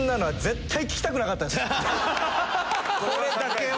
これだけは。